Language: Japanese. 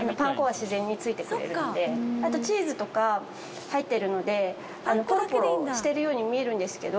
あとチーズとか入ってるのでポロポロしてるように見えるんですけど。